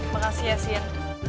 makasih ya sian